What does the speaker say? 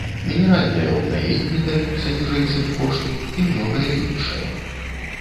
Мінеральныя ўгнаенні даюцца ніжэй сабекошту, і многае іншае.